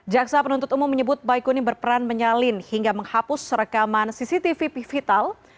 jaksa penuntut umum menyebut baikini berperan menyalin hingga menghapus serekaman cctv video